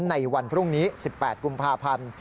ในวันพรุ่งนี้๑๘กุมภาพันธ์